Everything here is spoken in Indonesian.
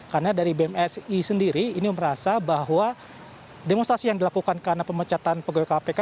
karena dari bmsi sendiri ini merasa bahwa demonstrasi yang dilakukan karena pemecatan pegawai kpk